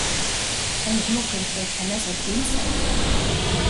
Танд юу хэрэгтэйг танаас өөр хэн ч сайн мэдэхгүй.